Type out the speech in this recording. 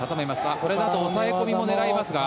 これだと抑え込みも狙えますが。